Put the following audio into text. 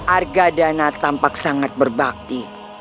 arga dana tampak sangat berbakti